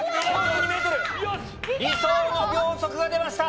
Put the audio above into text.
理想の秒速が出ました！